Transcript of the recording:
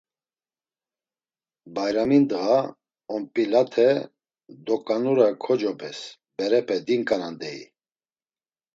Bayrami ndğa, onp̌ilate doǩanure kocobes, berepe dinǩanan deyi.